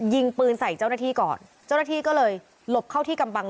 ยิงปืนใส่เจ้าหน้าที่ก่อนเจ้าหน้าที่ก็เลยหลบเข้าที่กำบัง